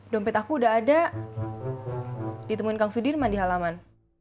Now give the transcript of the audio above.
dompet aku udah ada ditemuin kang sudirman di halaman